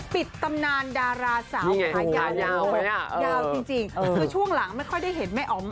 ตำนานดาราสาวขายาวยาวจริงคือช่วงหลังไม่ค่อยได้เห็นแม่อ๋อม